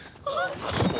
あっ。